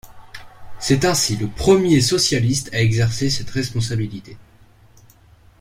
C'est ainsi le premier socialiste à exercer cette responsabilité.